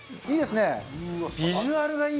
いいですね。